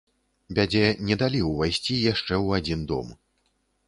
Бядзе не далі ўвайсці яшчэ ў адзін дом.